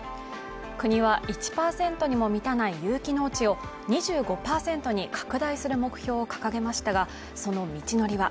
国は１％にも満たない有機農地を２５％に拡大する目標を掲げましたが、その道のりは。